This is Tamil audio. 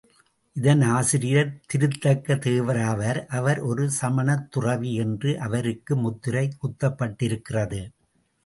இதன் ஆசிரியர் திருத்தக்க தேவர் ஆவார். அவர் ஒரு சமணத் துறவி என்று அவருக்கு முத்திரை குத்தப்பட்டிருக்கிறது.